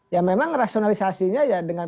ya memang rasionalisasinya ya dengan